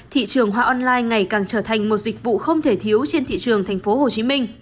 thị trường hoa online ngày càng trở thành một dịch vụ không thể thiếu trên thị trường tp hcm